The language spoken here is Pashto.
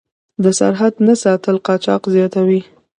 د سرحد نه ساتل قاچاق زیاتوي.